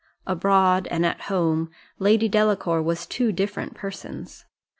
Abroad, and at home, Lady Delacour was two different persons.